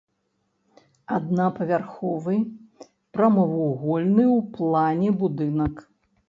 Аднапавярховы прамавугольны ў плане будынак.